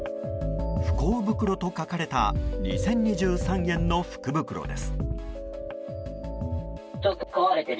「不幸袋」と書かれた２０２３円の福袋です。